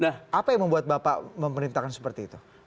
apa yang membuat bapak memerintahkan seperti itu